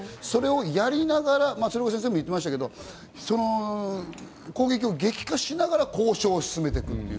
それをやりながら、鶴岡先生も言ってましたが、攻撃を激化しながら交渉を進めていく。